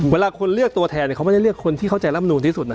เวลาคนเลือกตัวแทนเขาไม่ได้เลือกคนที่เข้าใจร่ำนูนที่สุดนะ